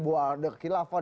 buat ada kekilafan